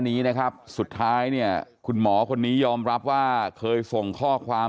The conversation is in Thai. นี้นะครับสุดท้ายเนี่ยคุณหมอคนนี้ยอมรับว่าเคยส่งข้อความ